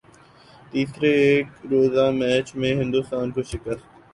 تیسرے ایک روزہ میچ میں ہندوستان کو شکست